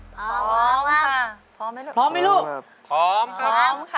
พร้อมค่ะพร้อมไหมลูกพร้อมนะครับพร้อมค่ะ